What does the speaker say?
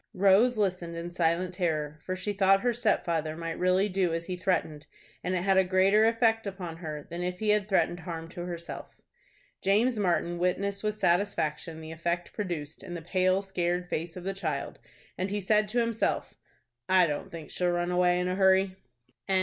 Rose listened in silent terror, for she thought her stepfather might really do as he threatened, and it had a greater effect upon her than if he had threatened harm to herself. James Martin witnessed with satisfaction the effect produced in the pale, scared face of the child, and he said to himself, "I don't think she'll run away in a hurry." CHAPTER XV.